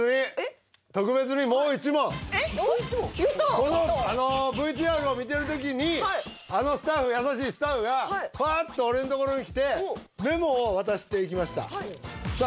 このＶＴＲを見てる時にあのスタッフ優しいスタッフがファーっと俺のところに来てメモを渡していきましたさあ